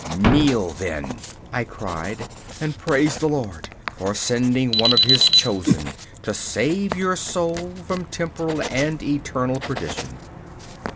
'Kneel, then,' I cried, 'and praise the Lord for sending one of His chosen to save your soul from temporal and eternal perdition!